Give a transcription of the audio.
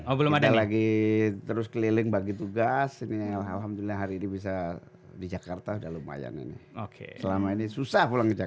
oke kalau gitu terima kasih cah ibin sekali lagi